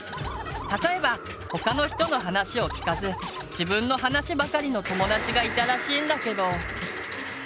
例えば他の人の話を聞かず自分の話ばかりの友達がいたらしいんだけど。